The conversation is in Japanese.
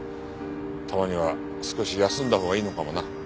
たまには少し休んだほうがいいのかもな。